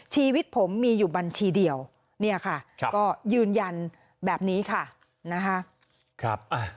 ชีวิตผมมีอยู่บัญชีเดียวเนี่ยค่ะก็ยืนยันแบบนี้ค่ะนะคะ